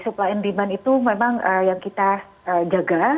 suplai dan demand itu memang yang kita jaga